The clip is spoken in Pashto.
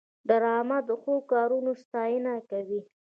ډرامه د ښو کارونو ستاینه کوي